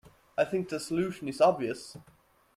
I think the solution is obvious.